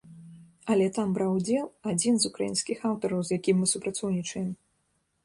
Але там браў удзел адзін з украінскіх аўтараў, з якім мы супрацоўнічаем.